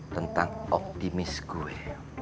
tentang optimis gue